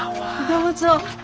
どうぞ。